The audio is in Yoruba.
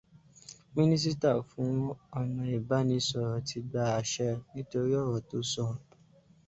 Mínístà fún ọ̀nà ìbáraẹnisọ̀rọ̀ ti gba àṣẹ nítorí ọ̀rọ̀ tó sọ